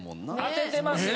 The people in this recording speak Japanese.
当ててますよ。